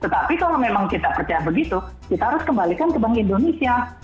tetapi kalau memang kita percaya begitu kita harus kembalikan ke bank indonesia